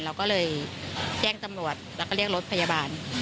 เราก็เลยแจ้งตำรวจแล้วก็เรียกรถพยาบาล